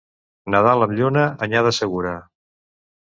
Nadal amb lluna, anyada segura.